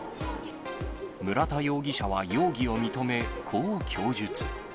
村田容疑者は容疑を認め、こう供述。